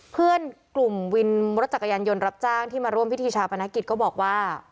เพื่อนกลุ่มวินรถจักรยานยนต์รับจ้างที่มาร่วมพิธีชาปนกิจก็บอกว่า